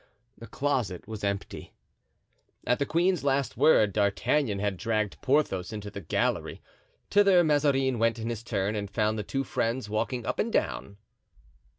The closet was empty. At the queen's last word, D'Artagnan had dragged Porthos into the gallery. Thither Mazarin went in his turn and found the two friends walking up and down.